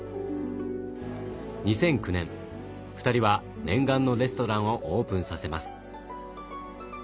２００９年２人は念願のレストランをオープンさせます。